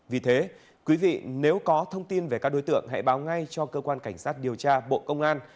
vì thế quý vị nếu có thông tin về các đối tượng hãy báo ngay cho cơ quan cảnh sát điều tra bộ công an